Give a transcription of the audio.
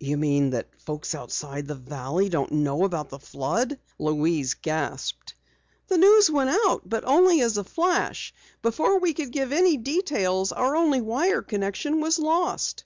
"You mean that folks outside of the valley don't know about the flood?" Louise gasped. "The news went out, but only as a flash. Before we could give any details, our only wire connection was lost."